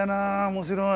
面白い。